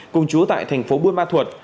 cùng chú tại thành phố buôn ma thuột